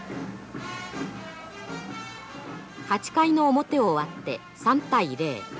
８回の表を終わって３対０。